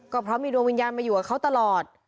ก็เพราะมีดวงวิญญาณมาอยู่กับเขาตลอด